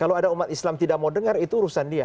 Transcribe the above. kalau ada umat islam tidak mau dengar itu urusan dia